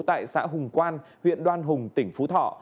tại xã hùng quan huyện đoan hùng tỉnh phú thọ